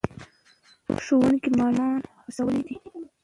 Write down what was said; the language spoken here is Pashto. ښوونکي ماشومان هڅولي دي.